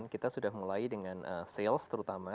kita sudah mulai dengan sales terutama